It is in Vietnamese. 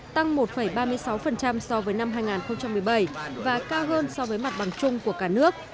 tăng một ba mươi sáu so với năm hai nghìn một mươi bảy và cao hơn so với mặt bằng chung của cả nước